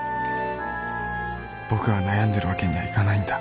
僕が悩んでるわけにはいかないんだ